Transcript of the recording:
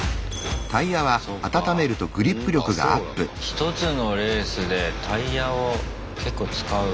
１つのレースでタイヤを結構使う。